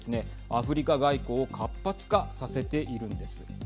アフリカ外交を活発化させているんです。